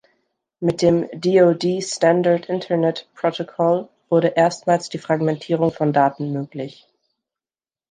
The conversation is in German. Mit dem "DoD Standard Internet Protocol" wurde erstmals die Fragmentierung von Daten möglich.